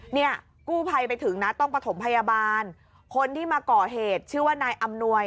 เนี่ยกู้ภัยไปถึงนะต้องประถมพยาบาลคนที่มาก่อเหตุชื่อว่านายอำนวย